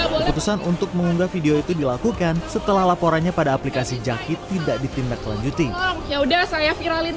keputusan untuk mengunggah video itu dilakukan setelah laporannya pada aplikasi jaki tidak ditindak selanjutnya